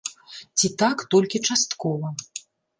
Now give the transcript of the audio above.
Ці так толькі часткова!